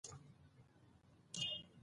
احمدشاه بابا د ولس د غوښتنو درناوی کاوه.